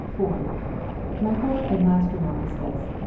(4) My fourth and last remark is this.